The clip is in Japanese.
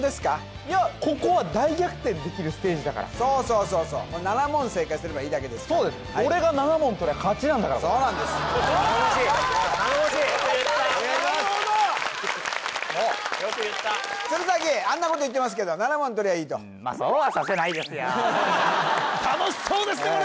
いやここは大逆転できるステージだからそうそうそうそう７問正解すればいいだけですからそうなんです頼もしい頼もしい・よく言った鶴崎あんなこと言ってますけど７問とりゃいいと楽しそうですね